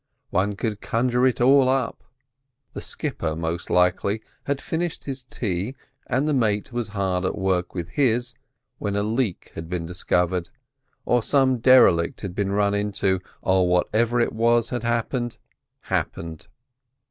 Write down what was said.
One could conjure it all up. The skipper, most likely, had finished his tea, and the mate was hard at work at his, when the leak had been discovered, or some derelict had been run into, or whatever it was had happened—happened.